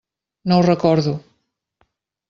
No ho recordo.